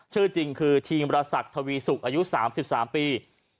ชื่อจริงคือทีมรสักทวีสุกอายุ๓๓ปี